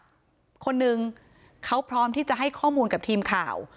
คนหนึ่งเขาพร้อมที่จะให้ข้อมูลกับทีมข่าว